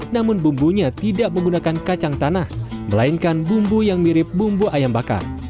namun bumbunya tidak menggunakan kacang tanah melainkan bumbu yang mirip bumbu ayam bakar